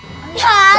jangan jangan jangan